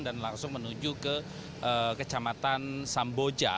dan langsung menuju ke kecamatan samboja